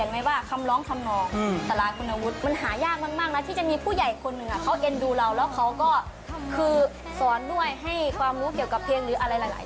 เรื่องธุรกิจกันหน่อยเป็นร้านข่วยเตี๋ยวเรือ